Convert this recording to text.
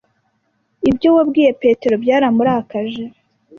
Ibyo wabwiye Petero byaramurakaje.